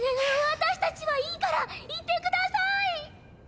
私たちはいいから行ってください！